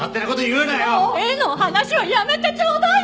もう絵の話はやめてちょうだい！